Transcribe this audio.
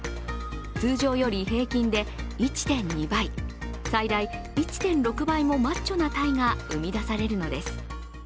通常より平均で１．２倍最大１．６倍もマッチョなタイが生み出されるのです。